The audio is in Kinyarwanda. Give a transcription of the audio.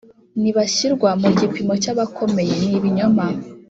Nibashyirwa mu gipimo cy’abakomeye ni ibinyoma